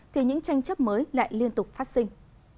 thì những tranh chấp mới lại liên tục phát sinh